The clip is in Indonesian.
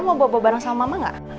mau bobo bareng sama mama gak